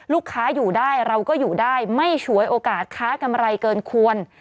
ลูกค้าอยู่ได้เราก็อยู่ได้ไม่ฉวยโอกาสค้ากำไรเกินควร